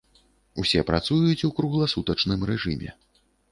Усе працуюць у кругласутачным рэжыме.